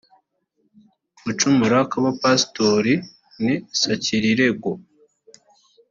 gucumura kw’abapasitori ni sakirirego